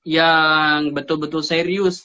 yang betul betul serius